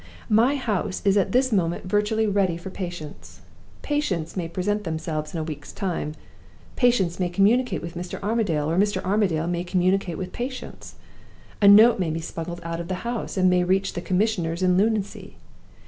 My house is at this moment virtually ready for patients. Patients may present themselves in a week's time. Patients may communicate with Mr. Armadale, or Mr. Armadale may communicate with patients. A note may be smuggled out of the house, and may reach the Commissioners in Lunacy.